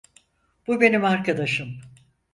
Bu benim arkadaşım.